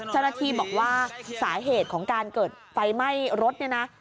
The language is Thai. เจ้าหน้าที่บอกว่าสาเหตุของการเกิดไฟไหม้รถเนี่ยนะ